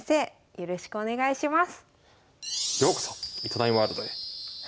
よろしくお願いします。